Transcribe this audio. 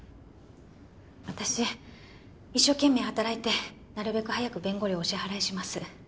私一生懸命働いてなるべく早く弁護料をお支払いします